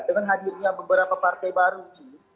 dengan hadirnya beberapa partai baru sih